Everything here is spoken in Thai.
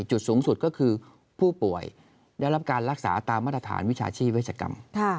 จุดสูงสุดก็คือผู้ป่วยได้รับการรักษาตามมาตรฐานวิชาชีพเวชกรรม